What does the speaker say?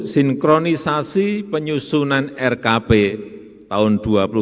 sinkronisasi penyusunan rkp tahun dua puluh lima